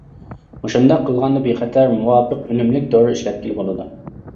مۇشۇنداق قىلغاندا بىخەتەر، مۇۋاپىق، ئۈنۈملۈك دورا ئىشلەتكىلى بولىدۇ.